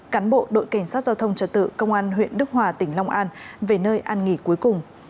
cán bộ đội cảnh sát giao thông trật tự công an huyện đức hòa tỉnh long an về nơi an nghỉ cuối cùng